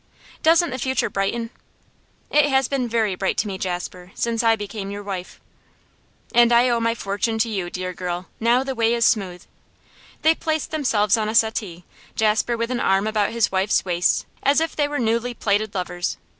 'Doesn't the future brighten?' 'It has been very bright to me, Jasper, since I became your wife.' 'And I owe my fortune to you, dear girl. Now the way is smooth!' They placed themselves on a settee, Jasper with an arm about his wife's waist, as if they were newly plighted lovers.